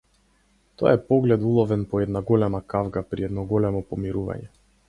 Тоа е поглед уловен по една голема кавга, при едно големо помирување.